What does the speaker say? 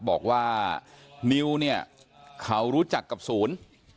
บอกว่านิวเนี่ยเขารู้จักกับศูนย์